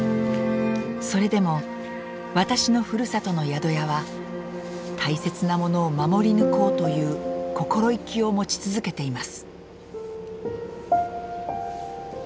それでも私のふるさとの宿屋は大切なものを守り抜こうという心意気を持ち続けています。